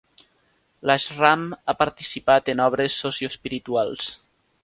L'ashram ha participat en obres socioespirituals.